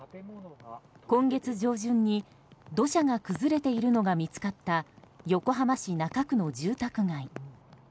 今月上旬に土砂が崩れているのが見つかった横浜市中区の住宅街。